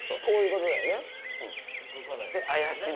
こういうことだよね。